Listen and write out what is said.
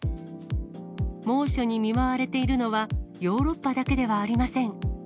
猛暑に見舞われているのは、ヨーロッパだけではありません。